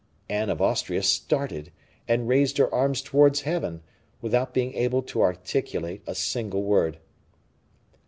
Anne of Austria started, and raised her arms towards Heaven, without being able to articulate a single word.